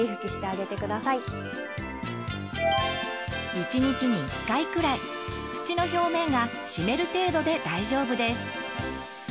一日に一回くらい土の表面が湿る程度で大丈夫です。